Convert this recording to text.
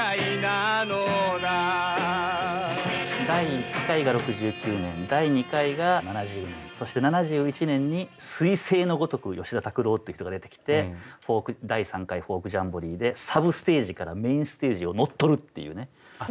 第１回が６９年第２回が７０年そして７１年にすい星のごとく吉田拓郎っていう人が出てきて第３回フォークジャンボリーでサブステージからメインステージを乗っ取るっていうね。